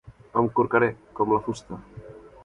Em corcaré, com la fusta.